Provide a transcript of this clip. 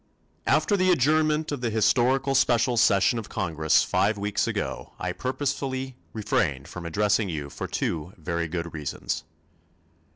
After the adjournment of the historical special session of the Congress five weeks ago I purposely refrained from addressing you for two very good reasons.